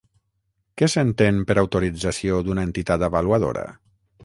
Què s'entén per autorització d'una entitat avaluadora?